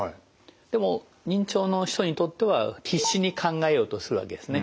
でも認知症の人にとっては必死に考えようとするわけですね。